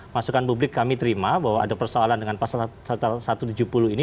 masukan publik kami terima bahwa ada persoalan dengan pasal satu ratus tujuh puluh ini